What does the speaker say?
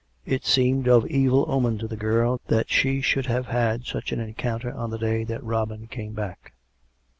It seemed of evil omen to the girl that she should have had such an encounter on the day that Robin came back.